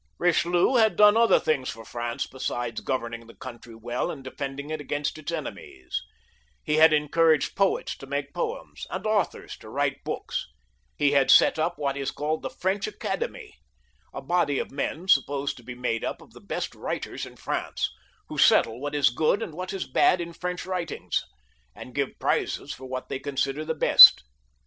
Bichelieu had done other things for France be sides governing the country weU and defending it against its enemieS/; he had encouraged poets to make poems and authors to write books ; he had set up what is called the French Academy, a body of men supposed to be made up of the best writers in France, who settle what is good and what is bad in IVench writings, and give prizes for what they consider the best.